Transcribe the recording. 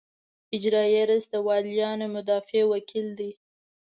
اجرائیه رییس د والیانو مدافع وکیل دی.